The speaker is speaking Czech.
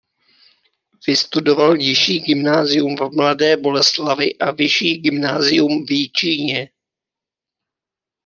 Vystudoval nižší gymnázium v Mladé Boleslavi a vyšší gymnázium v Jičíně.